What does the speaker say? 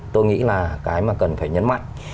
tôi nghĩ là cái mà cần phải nhấn mạnh